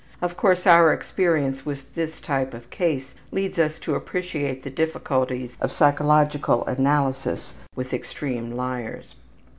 (Of course, our experience with this type of case leads us to appreciate the difficulties of psychological analysis with extreme liars.)